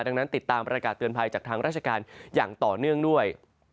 ดังนั้นติดตามประกาศเตือนภัยจากทางราชการอย่างต่อเนื่องด้วย